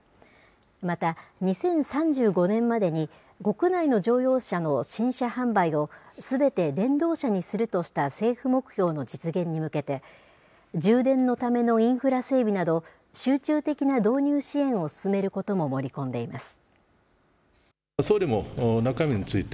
また、２０３５年までに国内の乗用車の新車販売を、すべて電動車にするとした政府目標の実現に向けて、充電のためのインフラ整備など、集中的な導入支援を進めることも盛り込んでいます。